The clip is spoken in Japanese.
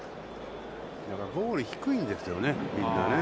ボール、低いんですよね、みんなね。